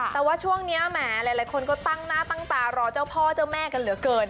แต่ว่าช่วงนี้แหมหลายคนก็ตั้งหน้าตั้งตารอเจ้าพ่อเจ้าแม่กันเหลือเกิน